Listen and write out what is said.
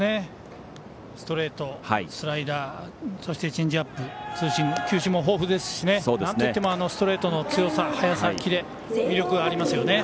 ストレート、スライダーそして、チェンジアップツーシーム、球種も豊富ですしなんといってもストレートの強さ速さ、キレに魅力がありますよね。